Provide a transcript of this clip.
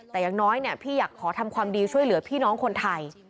แต่อย่างน้อยพี่อยากขอทำความดีช่วยเหลือพี่น้องคนไทย